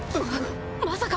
まさか。